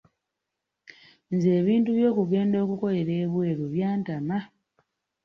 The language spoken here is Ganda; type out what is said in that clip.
Nze ebintu by'okugenda okukolera ebweru byantama.